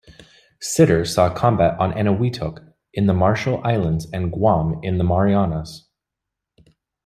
Sitter saw combat on Eniwetok in the Marshall Islands, and Guam in the Marianas.